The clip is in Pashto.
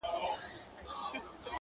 څومره دي لا وګالو زخمونه د پېړیو،